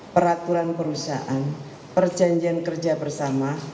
peraturan perusahaan perjanjian kerja bersama